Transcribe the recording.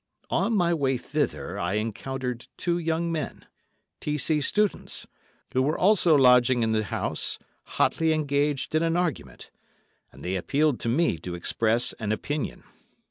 On my way thither I encountered two young men, T.C. students, who were also lodging in the house, hotly engaged in an argument; and they appealed to me to express an opinion.